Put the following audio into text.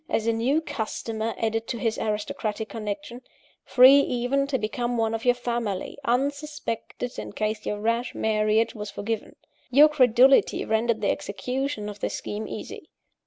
as a new customer added to his aristocratic connection free even to become one of your family, unsuspected, in case your rash marriage was forgiven. Your credulity rendered the execution of this scheme easy.